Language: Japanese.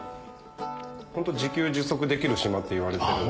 ホント自給自足できる島っていわれてるんで。